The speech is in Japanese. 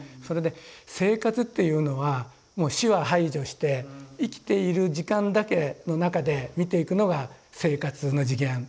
それで生活っていうのはもう死は排除して生きている時間だけの中で見ていくのが生活の次元。